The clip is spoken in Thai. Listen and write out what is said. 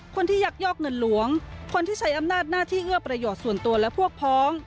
ยักยอกเงินหลวงคนที่ใช้อำนาจหน้าที่เอื้อประโยชน์ส่วนตัวและพวกพ้อง